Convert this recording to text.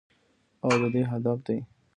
او د دوی هدف دی.